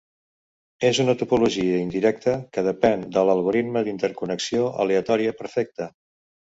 És una topologia indirecta que depèn de l'algoritme d'interconnexió aleatòria perfecta.